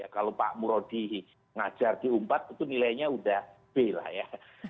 kalau pak muradi mengajar di umpat itu nilainya sudah b lah ya